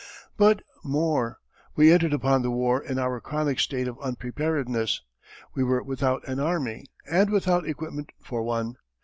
But more. We entered upon the war in our chronic state of unpreparedness. We were without an army and without equipment for one.